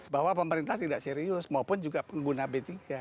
bahwa pemerintah tidak serius maupun juga pengguna b tiga